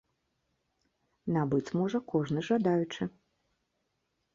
Набыць можа кожны жадаючы.